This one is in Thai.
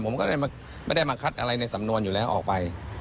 ผมก็ไม่ได้มาคัดอะไรในสำนวนอยู่แล้วออกไป